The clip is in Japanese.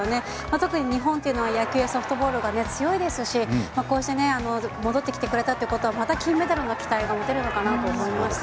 特に日本というのは野球・ソフトボールが強いですしこうして戻ってきてくれたってことはまた金メダルの期待が持てるのかなと思いました。